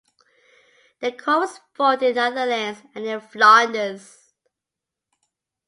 The corps fought in the Netherlands and in Flanders.